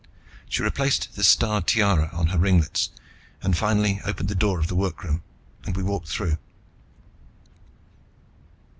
She replaced the starred tiara on her ringlets and finally opened the door of the workroom and we walked through.